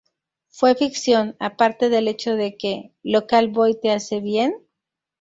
Fue ficción, aparte del hecho de que 'Local Boy te hace bien'?